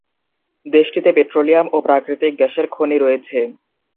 দেশটিতে পেট্রোলিয়াম ও প্রাকৃতিক গ্যাসের খনি রয়েছে।